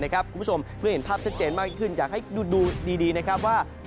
คุณผู้ชมเพื่อเห็นภาพชัดเจนมากขึ้นอยากให้ดูดีนะครับว่า